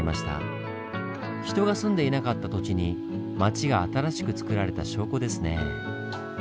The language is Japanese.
人が住んでいなかった土地に町が新しくつくられた証拠ですね。